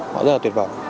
họ rất là tuyệt vọng